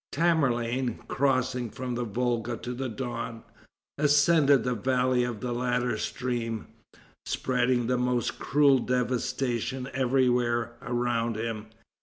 Tamerlane, crossing from the Volga to the Don, ascended the valley of the latter stream, spreading the most cruel devastation everywhere around him.